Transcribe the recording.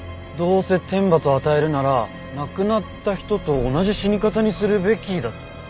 「どうせ天罰を与えるなら亡くなった人と同じ死に方にするべき」。